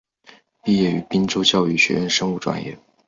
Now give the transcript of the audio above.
毕业于滨州教育学院生物专业。